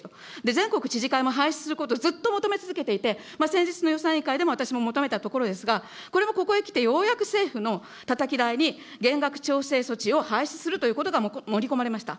全国知事会もはいしゅつすることをずっと求め続けていて、先日の予算委員会でも私も求めたところですが、これもここへきて、ようやく政府のたたき台に減額調整措置を廃止するということが盛り込まれました。